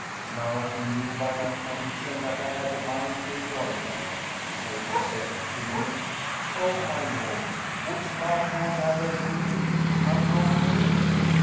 Now she knew by my condition that I had a mind to enjoy her; so she said to me, 'O my lord, wouldst thou foregather with me unlawfully?